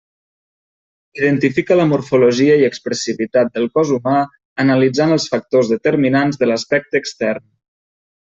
Identifica la morfologia i expressivitat del cos humà analitzant els factors determinants de l'aspecte extern.